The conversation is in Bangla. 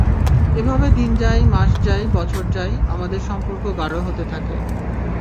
এভাবে দিন যায়, মাস যায়, বছর যায় আমাদের সম্পর্ক গাঢ় হতে থাকে।